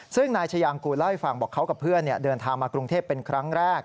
ซึ่งนายชายางกูลเล่าให้ฟังบอกเขากับเพื่อนเดินทางมากรุงเทพเป็นครั้งแรก